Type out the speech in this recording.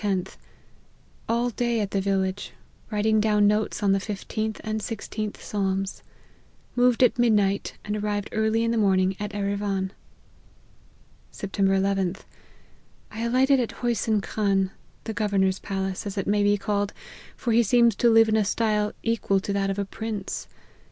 10th. All day at the village, writing down notes on the 15th and 16th Psalms. Moved at midnight and arrived early in the morning at Erivan. " Sept. llth. I alighted at Hosyn Khan, the governor's palace, as it may be called, for he seems to live in a style equal to that of a prince.